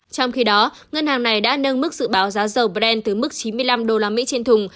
trong khi đó ngân hàng này đã nâng mức dự báo giá dầu brent từ mức chín mươi năm usd trên thùng